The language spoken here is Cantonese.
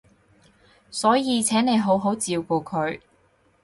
所以請你好好照顧佢